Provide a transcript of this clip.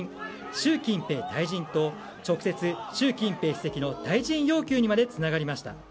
習近平退陣！と直接、習近平主席の退陣要求にまでつながりました。